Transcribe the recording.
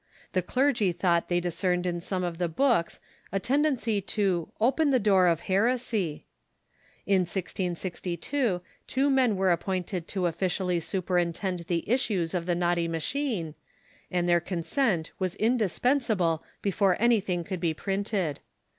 The clei'gy thought they discerned in some of the books a tendency " to open the door of heresy." In 1662 two men were appointed to officially superintend the issues of the naughty machine, and their consent was indis pensable before anything could be printed.